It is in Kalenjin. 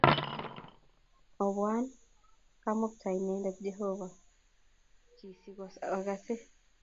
Obwan Kamukta-indet Jehovah, ji si ogasge kot.